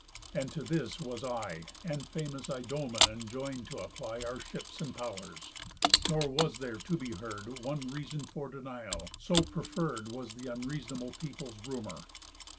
And to this was I, And famous Idomen, enjoin'd t' apply Our ships and pow'rs, Nor was there to be heard One reason for denial, so preferr'd Was the unreasonable people's rumour.